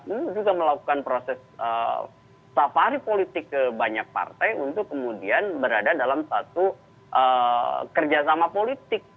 ini juga melakukan proses safari politik ke banyak partai untuk kemudian berada dalam satu kerjasama politik